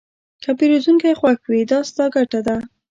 که پیرودونکی خوښ وي، دا ستا ګټه ده.